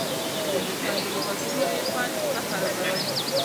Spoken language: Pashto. په بې خوندو لغتونو یې خوند مه خرابوئ.